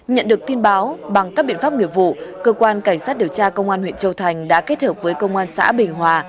nhận được tin báo bằng các biện pháp nghiệp vụ cơ quan cảnh sát điều tra công an huyện châu thành đã kết hợp với công an xã bình hòa